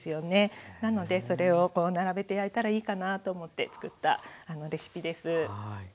なのでそれを並べて焼いたらいいかなと思ってつくったレシピです。